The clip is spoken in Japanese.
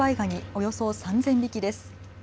およそ３０００匹です。